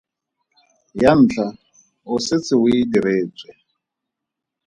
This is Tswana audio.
Ya ntlha o setse o e diretswe.